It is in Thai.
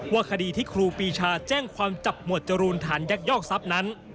คดีที่ครูปีชาแจ้งความจับหมวดจรูนฐานยักยอกทรัพย์นั้น